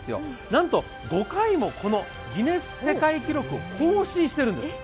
なんと、５回もギネス世界記録を更新しているんです。